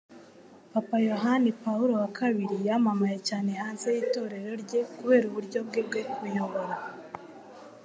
Papa Yohani Pawulo wa kabiri yamamaye cyane hanze y'Itorero rye kubera uburyo bwe bwo kuyobora